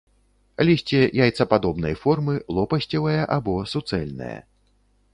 Лісце яйцападобнай формы, лопасцевае або суцэльнае.